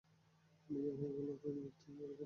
বিয়ে হয়ে গেলে এই ভক্তি-শ্রদ্ধা ও অনুরাগ আর থাকবে না।